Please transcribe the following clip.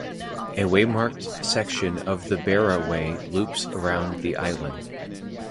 A waymarked section of the Beara Way loops around the island.